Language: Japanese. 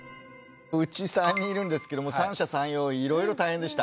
うち３人いるんですけども三者三様いろいろ大変でした。